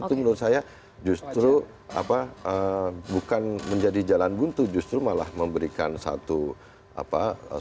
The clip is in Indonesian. menurut saya justru apa bukan menjadi jalan buntu justru malah memberikan satu apa apa